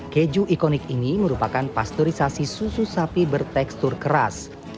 keju ikonik ini merupakan pasteurisasi susu sapi bertekstur keras